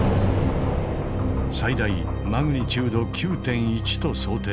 最大マグニチュード９．１と想定されています。